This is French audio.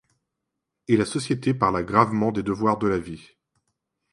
Et la société parla gravement des devoirs de la vie.